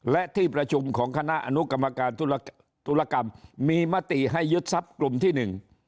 และที่ประชุมของคณะอนุกรรมการธุรธุรกรรมมีมติให้ยึดทรัพย์กลุ่มที่หนึ่ง